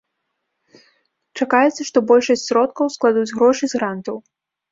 Чакаецца, што большасць сродкаў складуць грошы з грантаў.